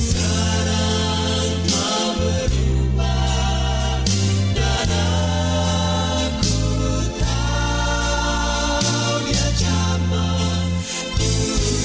sarang mahu berubah dan aku tahu dia jaman